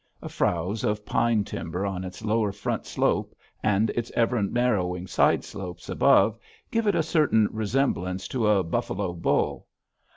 A frowse of pine timber on its lower front slope, and its ever narrowing side slopes above, give it a certain resemblance to a buffalo bull.